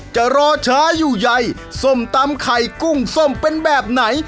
จะรอช้าอยู่ใยส้มตำไข่กุ้งส้มเป็นแบบไหน